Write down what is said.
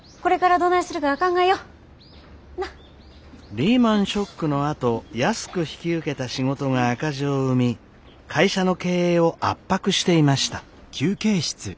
リーマンショックのあと安く引き受けた仕事が赤字を生み会社の経営を圧迫していました。